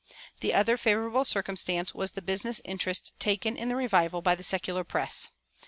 The other favorable circumstance was the business interest taken in the revival by the secular press.